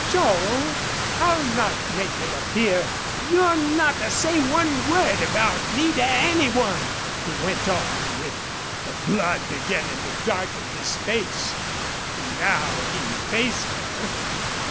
"Joel, I'll not make it appear " "You'll not say one word about me to any one," he went on, with the blood beginning to darken his face. And now he faced her.